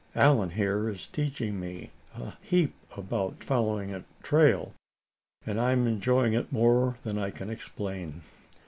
Allan, here, is teaching me a heap about following a trail, and I'm enjoying it more than I can explain.